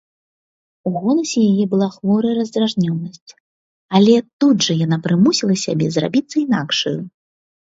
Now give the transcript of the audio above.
У голасе яе была хворая раздражненасць, але тут жа яна прымусіла сябе зрабіцца інакшаю.